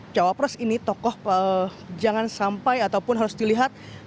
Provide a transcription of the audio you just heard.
cawa pres ini tokoh jangan sampai ataupun harus dilihat